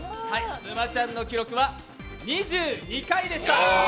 沼ちゃんの記録は２２回でした。